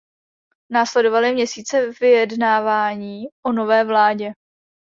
Následovaly měsíce vyjednávání o nové vládě.